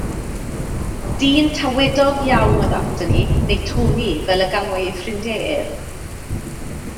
Dyn tawedog iawn oedd Anthony, neu Tony fel y galwai ei ffrindiau ef.